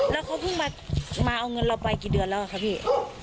แล้วเขาเพิ่งมาเอาเงินเราไปกี่เดือนแล้วครับพี่